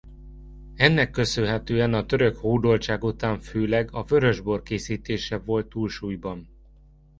Ennek köszönhetően a török hódoltság után főleg a vörösbor készítése volt túlsúlyban.